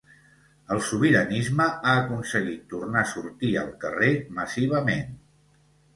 El sobiranisme ha aconseguit tornar a sortir al carrer massivament.